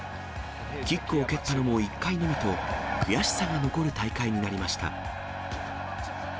キックを蹴ったのも１回のみと、悔しさが残る大会になりました。